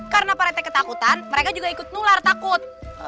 karena parete ketakutan mereka juga ikut nular takut